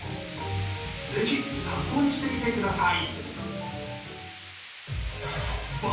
ぜひ参考にしてみてください。